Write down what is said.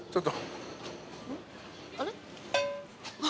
あれ？